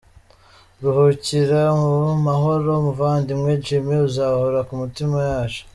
Ruhukira mu mahoro muvandimwe Jimmy, uzahora mu mitima yacu.